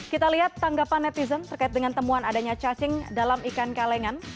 kita lihat tanggapan netizen terkait dengan temuan adanya cacing dalam ikan kalengan